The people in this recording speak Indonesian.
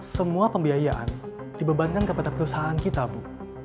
semua pembiayaan dibebankan kepada perusahaan kita bu